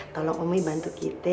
tolong umi bantu kita